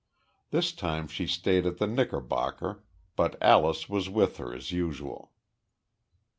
This time she stayed at the Knickerbocker, but Alyce was with her as usual.